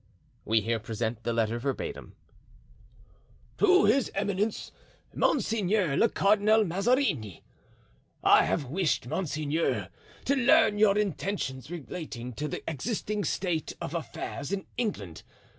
We here present the letter verbatim: "To his Eminence, Monseigneur le Cardinal Mazarini: "I have wished, monseigneur, to learn your intentions relating to the existing state of affairs in England.